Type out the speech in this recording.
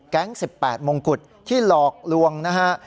๑๘มงกุฎที่หลอกลวงนะฮะ